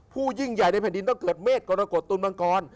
ยิ่งใหญ่ในแผ่นดินต้องเกิดเมฆกรกฎตุลมังกร